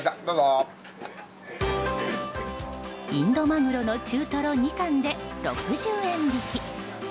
インドマグロの中トロ２貫で６０円引き。